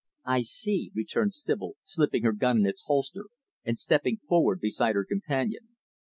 "I see," returned Sibyl, slipping her gun in its holster and stepping forward beside her companion.